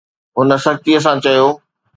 هن سختيءَ سان چيو